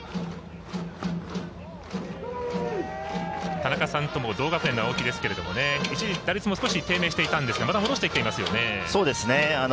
田中さんとも同学年の青木ですけども一時、打率も少し低迷していたんですがまた戻してきていますよね。